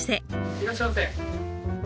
いらっしゃいませ。